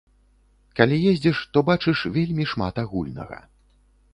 Калі ездзіш, то бачыш вельмі шмат агульнага.